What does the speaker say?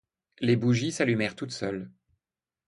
Les bougies s’allumèrent toutes seules.